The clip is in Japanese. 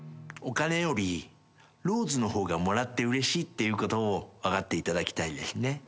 お金よりローズの方がもらってうれしいっていうことを分かっていただきたいですね。